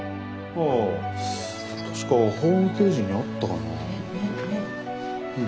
あ確かホームページにあったかなぁ。